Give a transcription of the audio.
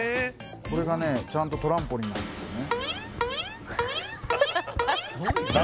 これがねちゃんとトランポリンなんですよね